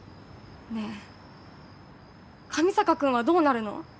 ねえ上坂君はどうなるの？